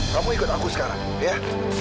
kamu ikut aku sekarang ya